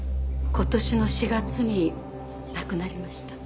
今年の４月に亡くなりました。